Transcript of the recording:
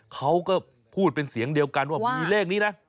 เขาก็พูดเป็นเสียงเดียวกันว่ามีเลขนี้นะ